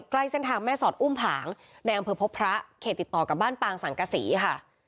ใกล้เส้นทางแม่สอดอุ้มผางในอำเภอพบพระเขตติดต่อกับบ้านปางสังกษีค่ะ